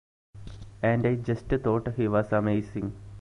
And I just thought he was amazing.